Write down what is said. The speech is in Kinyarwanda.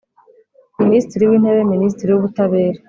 Minisitiri w Intebe Minisitiri w Ubutabera